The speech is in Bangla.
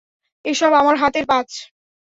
এসব আমার হাতের পাঁচ।